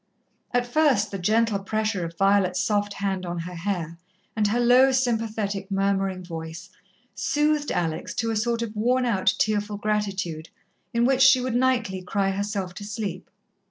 At first the gentle pressure of Violet's soft hand on her hair, and her low, sympathetic, murmuring voice, soothed Alex to a sort of worn out, tearful gratitude in which she would nightly cry herself to sleep.